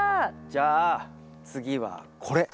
じゃあ次はこれ。